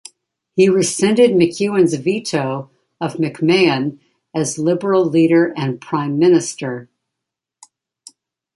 He rescinded McEwen's veto of McMahon as liberal leader and Prime Minister.